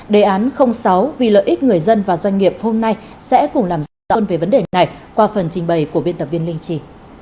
đề án sáu vì lợi ích người dân và doanh nghiệp hôm nay sẽ cùng làm rõ hơn về vấn đề này qua phần trình bày của biên tập viên linh trì